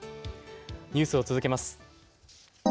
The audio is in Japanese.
ニュースを続けます。